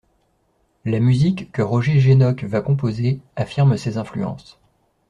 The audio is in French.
La musique que Roger Jénoc va composer affirme ses influences.